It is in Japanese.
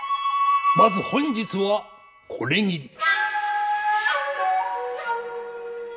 まず本日はこれぎり。